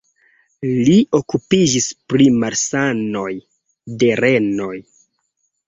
Li okupiĝis pri malsanoj de renoj.